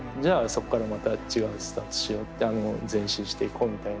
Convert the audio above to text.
そこからまた違うスタートをしようって前進していこうみたいな。